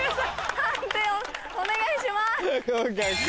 判定お願いします。